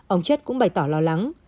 ông chất cũng bày tỏ lo lắng